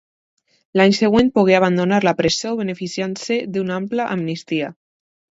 L'any següent pogué abandonar la presó beneficiant-se d'una àmplia amnistia.